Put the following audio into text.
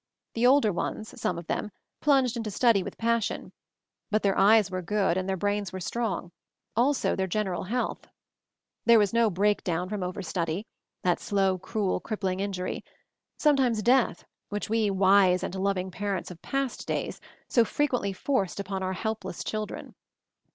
The older ones, some of them, plunged into study with passion; but their eyes were good and their brains were strong; also their general health. There was no "breakdown from overstudy;" that slow, cruel, crippling injury — some MOVING THE MOUNTAIN 223 times death, which we, wise and loving parents of past days, so frequently forced upon our helpless children.